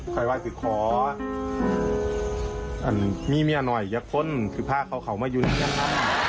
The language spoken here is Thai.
คอยว่าสิขอมีเมียหน่อยจะข้นแต่คือผ้าเขาเขามาอยู่เฮียนล่ะ